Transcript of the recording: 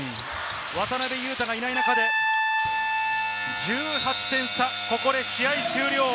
渡邊雄太がいない中で１８点差、ここで試合終了。